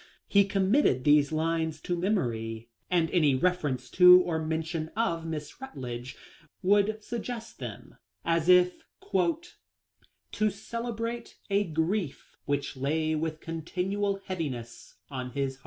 He committed these lines to memory, and any reference to or mention of Miss Rutledge THE LIFE OF LINCOLN. 1 41 would suggest them, as if " to celebrate a grief which lay with continual heaviness on his heart."